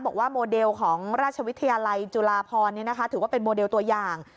บอกว่าโมเดลของราชวิทยาลัยจุฬาพรถือว่าเป็นโมเดลตัวอย่าง